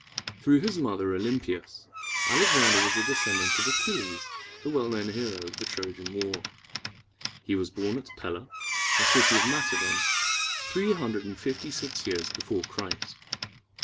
Through his mother, O lym´pi as, Alexander was a descendant of Achilles, the well known hero of the Trojan War. He was born at Pel´la, a city of Macedon, three hundred and fifty six years before Christ.